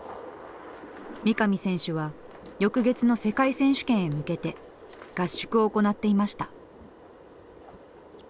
三上選手は翌月の世界選手権へ向けて合宿を行っていました。